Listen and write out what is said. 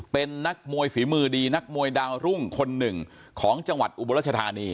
เป็นนักมวยฝีมือดีนักมวยดาวรุ่งคนหนึ่งของจังหวัดอุบลรัชธานี